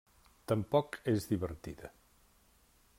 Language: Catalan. Tampoc és divertida.